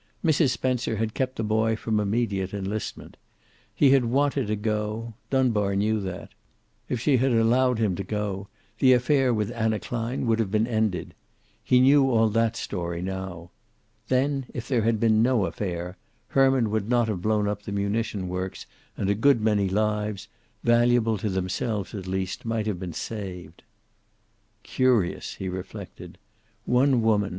Mrs. Spencer had kept the boy from immediate enlistment. He had wanted to go; Dunbar knew that. If she had allowed him to go the affair with Anna Klein would have been ended. He knew all that story now. Then, if there had been no affair, Herman would not have blown up the munition works and a good many lives, valuable to themselves at least, might have been saved. "Curious!" he reflected. "One woman!